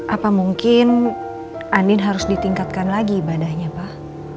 apa mungkin anin harus ditingkatkan lagi ibadahnya pak